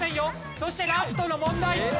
そしてラストの問題。